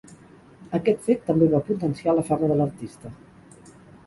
Aquest fet, també va potenciar la fama de l’artista.